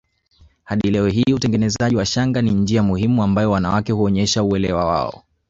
Hadi leo hii utengenezaji wa shanga ni njia muhimu ambayo wanawake huonyesha uelewa wao